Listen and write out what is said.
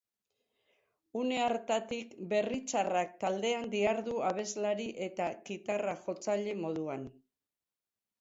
Une hartatik Berri Txarrak taldean dihardu abeslari eta gitarra-jotzaile moduan.